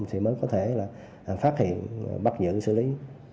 thì mới có thể là phát hiện bắt giữ xử lý